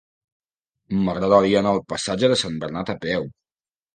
M'agradaria anar al passatge de Sant Bernat a peu.